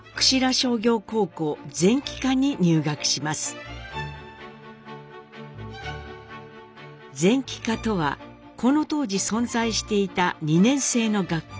良子は前期科とはこの当時存在していた２年制の学科。